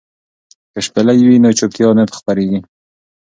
که شپېلۍ وي نو چوپتیا نه خپریږي.